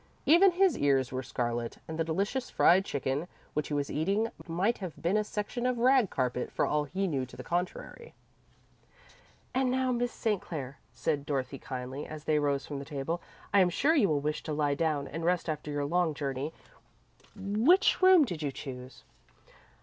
Even his ears were scarlet, and the delicious fried chicken which he was eating might have been a section of rag carpet, for all he knew to the contrary. "And now, Miss St. Clair," said Dorothy, kindly, as they rose from the table, "I am sure you will wish to lie down and rest after your long journey. Which room did you choose?"